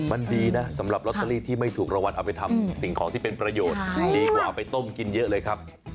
มันดีนะสำหรับลอตเตอรี่ที่ไม่ถูกรางวัลเอาไปทำสิ่งของที่เป็นประโยชน์ดีกว่าเอาไปต้มกินเยอะเลยครับ